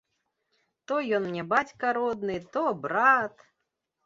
То ён мне бацька родны, то брат!